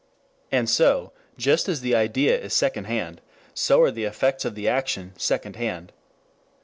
And so just as the idea is second hand, so are the effects of the action second hand.